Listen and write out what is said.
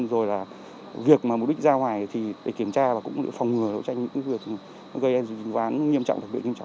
rồi là việc mà mục đích ra ngoài thì để kiểm tra và cũng phòng ngừa đấu tranh những việc gây đến dịch ván nghiêm trọng